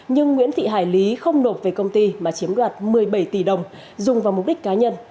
nhưng nguyễn thị hải lý không nộp về công ty mà chiếm đoạt một mươi bảy tỷ đồng dùng vào mục đích cá nhân